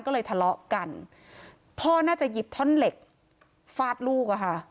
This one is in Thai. ก็เลยทะเลาะกันพ่อน่าจะหยิบท่อนเหล็กฟาดลูกอะค่ะ